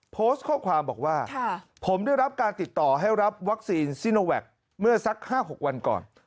โพสต์ข้อความบอกว่าผมได้รับการติดต่อให้รับวัคซีนซิโนแวคเมื่อสัก๕๖วันก่อน